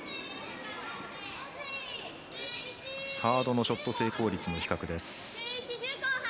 サードのショット成功率の比較です。